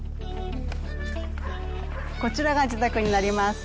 こちらが自宅になります。